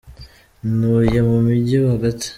Ntuye mu mugi hagati.